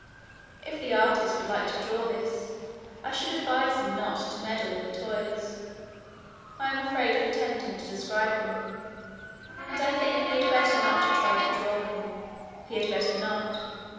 If the artist would like to draw this, I should advise him not to meddle with the toys. I am afraid of attempting to describe them, and I think he had better not try to draw them. He had better not.